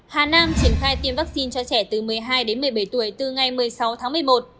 hà nam triển khai tiêm vaccine cho trẻ từ một mươi hai đến một mươi bảy tuổi từ ngày một mươi sáu tháng một mươi một